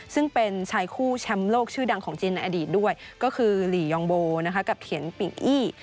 ซึ่งเป็นชายคู่แชมป์โลกชื่อดังของจีนในอดีตด้วยก็คือหลียองโบกับเถียนปิงอี้